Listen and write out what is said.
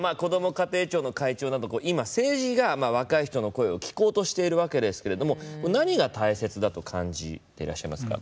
家庭庁の開庁だとか政治が若い人の声を聴こうとしているわけですけれども何が大切だと感じてらっしゃいますか？